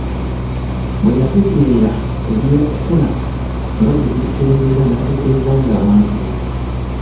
Bwe yategeera eby'okufuna nga bwe birikendeera n'ategeezanga abantu be.